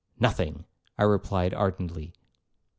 'Nothing,' I replied ardently.